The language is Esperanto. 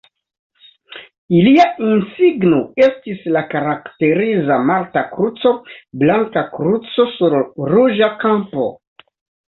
Ilia insigno estis la karakteriza malta kruco, blanka kruco sur ruĝa kampo.